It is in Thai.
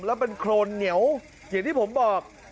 แล้วมันโครนเหนียวอย่างที่ผมบอก